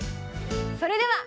それでは。